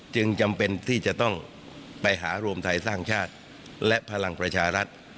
จึงจำเป็นที่จะต้องไปหารวมไทยสร้างชาติและพลังประชารัฐ